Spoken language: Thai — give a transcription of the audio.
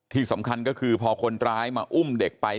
ที่สำคัญก็คือพอคนร้ายมาอุ้มเด็กไป